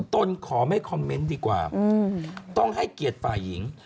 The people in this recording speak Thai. ตนขอไม่คอมเมนต์ดีกว่าต้องให้เกียรติฝ่ายหญิง